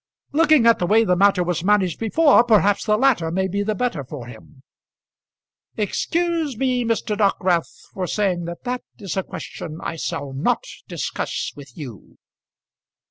"Looking at the way the matter was managed before, perhaps the latter may be the better for him." "Excuse me, Mr. Dockwrath, for saying that that is a question I shall not discuss with you."